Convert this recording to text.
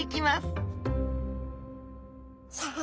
さあ